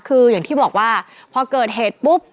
คืออย่างที่บอกว่าพอเกิดเหตุปุ๊บ